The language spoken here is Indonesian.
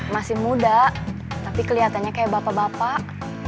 masih muda tapi kelihatannya kayak bapak bapak